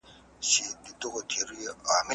لوستې مور د ماشومانو د ؛خوراک عادت سموي.